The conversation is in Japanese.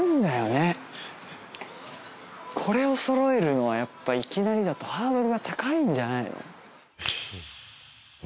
これを揃えるのはやっぱいきなりだとハードルが高いんじゃないの？